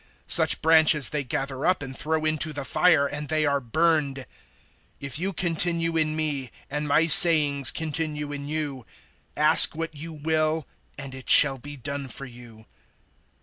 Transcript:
Such branches they gather up and throw into the fire and they are burned. 015:007 "If you continue in me and my sayings continue in you, ask what you will and it shall be done for you.